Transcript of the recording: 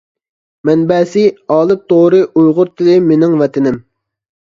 مەنبەسى: ئالىپ تورى ئۇيغۇر تىلى مېنىڭ ۋەتىنىم.